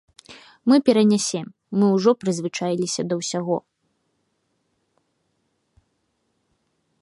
Мы перанясем, мы ўжо прызвычаіліся да ўсяго.